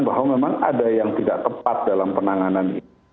bahwa memang ada yang tidak tepat dalam penanganan ini